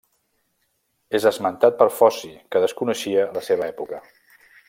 És esmentat per Foci que desconeixia la seva època.